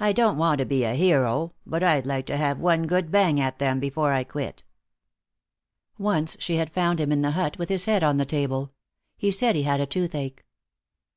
I don't want to be a hero, but I'd like to have had one good bang at them before I quit." Once she had found him in the hut, with his head on a table. He said he had a toothache.